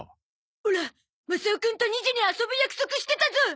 オラマサオくんと２時に遊ぶ約束してたゾ！